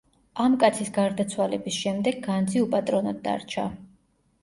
ამ კაცის გარდაცვალების შემდეგ განძი უპატრონოდ დარჩა.